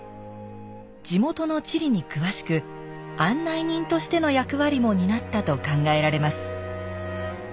地元の地理に詳しく案内人としての役割も担ったと考えられます